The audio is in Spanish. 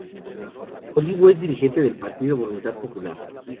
Olivo es dirigente del partido Voluntad Popular.